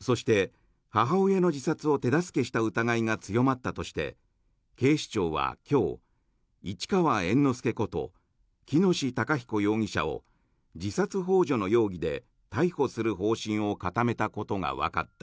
そして、母親の自殺を手助けした疑いが強まったとして警視庁は今日、市川猿之助こと喜熨斗孝彦容疑者を自殺ほう助の容疑で逮捕する方針を固めたことがわかった。